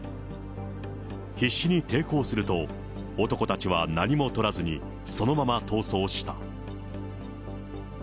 必死に抵抗すると、男たちは何もとらずに、そのまま逃走した。